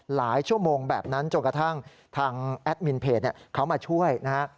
หลายชั่วโมงแบบนั้นจนกระทั่งทางแอดมินเพจเขามาช่วยนะฮะ